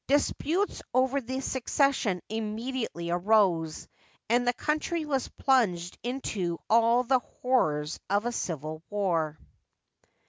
Dis putes over the succession immediately arose, and the country was plunged into all the horrors of a civil war.